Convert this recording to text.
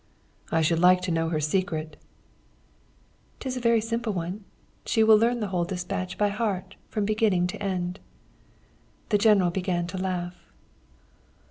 "'I should like to know her secret.' "''Tis a very simple one. She will learn the whole despatch by heart from beginning to end.' "The General began to laugh.